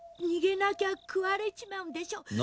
逃げなきゃ食われちまうんでしょ」